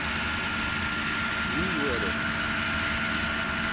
Jii guware.